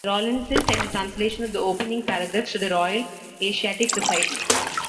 Rawlinson sent a translation of the opening paragraphs to the Royal Asiatic Society.